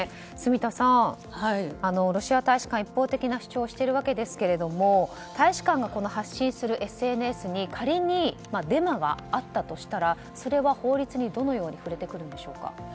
住田さん、ロシア大使館一方的な主張をしているわけですが大使館が発信するＳＮＳに仮にデマがあったとしたらそれは法律にどのように触れてくるんでしょうか。